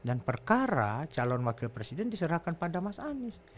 dan perkara calon wakil presiden diserahkan pada mas anies